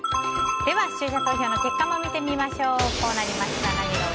視聴者投票の結果も見てみましょう。